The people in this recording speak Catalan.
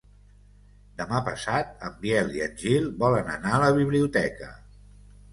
Demà passat en Biel i en Gil volen anar a la biblioteca.